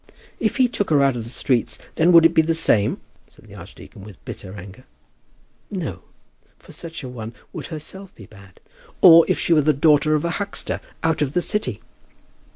"If he took her out of the streets, then it would be the same?" said the archdeacon with bitter anger. "No; for such a one would herself be bad." "Or if she were the daughter of a huxter out of the city?"